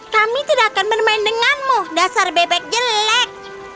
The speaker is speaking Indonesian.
kami tidak akan bermain denganmu dasar bebek jelek